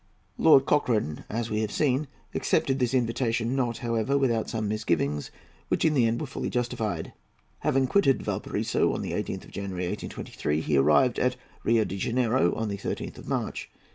Lord Cochrane, as we have seen, accepted this invitation; not, however, without some misgivings, which, in the end, were fully justified. Having quitted Valparaiso on the 18th of January, 1823, he arrived at Rio de Janeiro on the 13th of March.